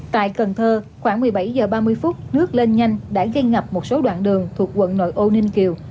tại cần thơ khoảng một mươi bảy h ba mươi nước lên nhanh đã gây ngập một số đoạn đường thuộc quận nội ô ninh kiều